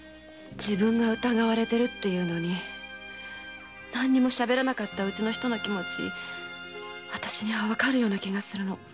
自分が疑われてるっていうのに何も喋らなかったうちの人の気持ちあたしにはわかるような気がするの。